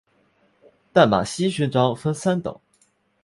淡马锡勋章分三等。